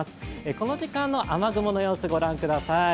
この時間の雨雲の様子、ご覧ください。